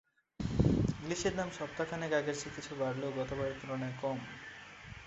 ইলিশের দাম সপ্তাহ খানেক আগের চেয়ে কিছু বাড়লেও গতবারের তুলনায় কম।